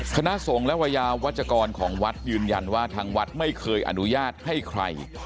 คณะสงฆ์และวัยยาวัชกรของวัดยืนยันว่าทางวัดไม่เคยอนุญาตให้ใคร